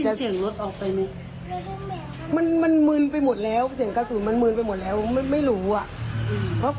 จังหวะนั้นได้ยินเสียงปืนรัวขึ้นหลายนัดเลย